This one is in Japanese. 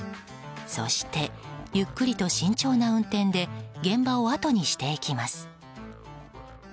そしてゆっくりと慎重な運転で現場をあとにしていきます。